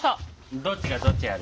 どっちがどっちやる？